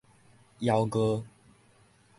枵餓